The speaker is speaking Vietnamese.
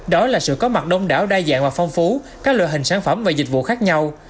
đó là sự có mặt đông đảo đa dạng và phong phú các loại hình sản phẩm và dịch vụ khác nhau